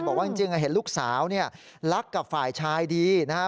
บอกว่าจริงเห็นลูกสาวเนี่ยรักกับฝ่ายชายดีนะฮะ